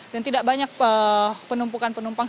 dan tidak banyak penumpukan penumpang